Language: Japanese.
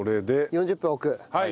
４０分置く。